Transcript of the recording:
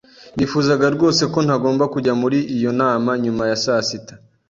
Nifuzaga rwose ko ntagomba kujya muri iyo nama nyuma ya saa sita.